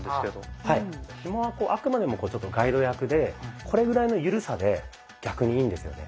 ひもはあくまでもちょっとガイド役でこれぐらいのゆるさで逆にいいんですよね。